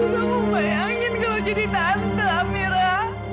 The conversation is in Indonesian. kamu bayangin kalau jadi tante amira